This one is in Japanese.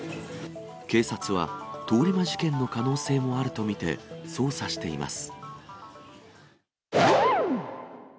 警察は、通り魔事件の可能性もあると見て、捜査しています。